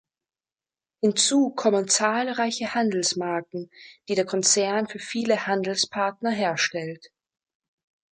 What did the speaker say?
Hinzu kommen zahlreiche Handelsmarken, die der Konzern für viele Handelspartner herstellt.